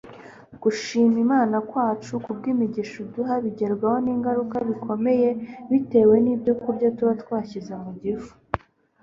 gushima imana kwacu kubwo imigisha iduha bigerwaho n'ingaruka ikomeye bitewe n'ibyokurya tuba twashyize mu gifu